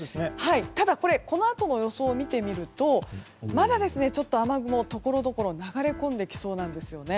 ただこのあとの予想を見てみるとまだ雨雲ところどころ流れ込んできそうです。